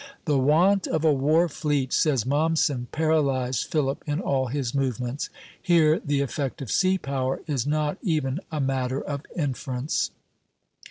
"The want of a war fleet," says Mommsen, "paralyzed Philip in all his movements." Here the effect of Sea Power is not even a matter of inference.